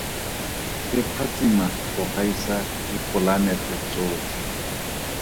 E phatsima go gaisa dipolanete tsotlhe.